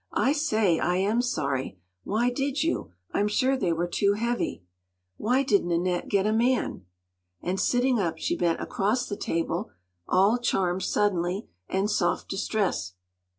“I say, I am sorry! Why did you? I’m sure they were too heavy. Why didn’t Annette get a man?” And sitting up, she bent across the table, all charm suddenly, and soft distress.